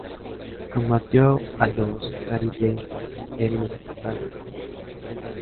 Combatió a los jariyíes en Mesopotamia.